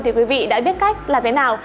thì quý vị đã biết cách làm thế nào